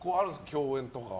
共演とか。